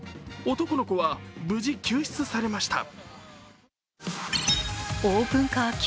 男の子は無事、救出されました。